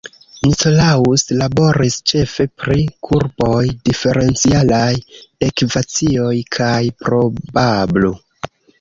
Nicolaus laboris ĉefe pri kurboj, diferencialaj ekvacioj, kaj probablo.